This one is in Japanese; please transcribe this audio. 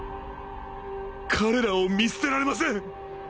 彼らを見捨てられません！